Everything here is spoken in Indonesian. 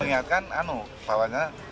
saya ingatkan anu bahwa